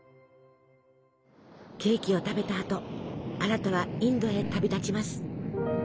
ケーキを食べたあとアラタはインドへ旅立ちます。